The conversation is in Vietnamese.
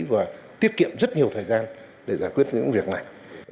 và tiết kiệm rất nhiều thời gian để giải quyết những việc này